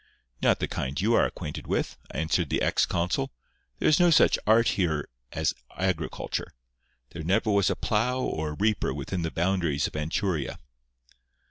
"Not the kind you are acquainted with," answered the ex consul. "There is no such art here as agriculture. There never was a plow or a reaper within the boundaries of Anchuria."